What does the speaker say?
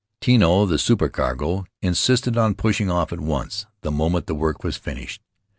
Tino, the supercargo, insisted on pushing off at once, the moment the work was finished.